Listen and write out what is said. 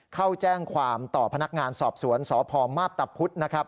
เข้าแจ้งความต่อพนักงานสอบสวนสพมาปตับพุธ